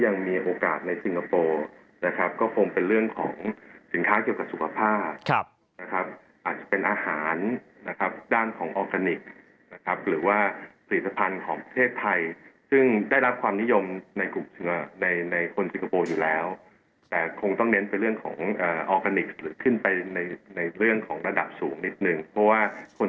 ยังมีโอกาสในสิงคโปร์นะครับก็คงเป็นเรื่องของสินค้าเกี่ยวกับสุขภาพนะครับอาจจะเป็นอาหารนะครับด้านของออร์แกนิคนะครับหรือว่าผลิตภัณฑ์ของประเทศไทยซึ่งได้รับความนิยมในกลุ่มในในคนสิงคโปร์อยู่แล้วแต่คงต้องเน้นเป็นเรื่องของออร์แกนิคหรือขึ้นไปในในเรื่องของระดับสูงนิดนึงเพราะว่าคน